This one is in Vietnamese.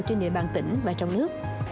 trên địa bàn tỉnh và trong nước